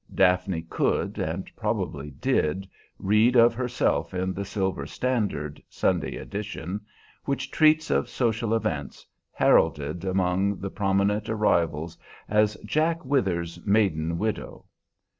Daphne could, and probably did, read of herself in the "Silver Standard," Sunday edition, which treats of social events, heralded among the prominent arrivals as "Jack Withers's maiden widow."